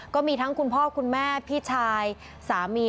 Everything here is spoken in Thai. ก็มีทั้งคุณพ่อคุณแม่พี่ชายสามี